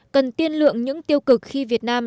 cần tiên lượng những tiêu cực khi việt nam